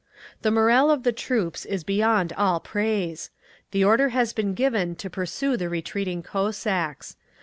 The morale of the troops is beyond all praise. The order has been given to pursue the retreating Cossacks.